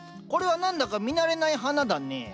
これは何だか見慣れない花だね。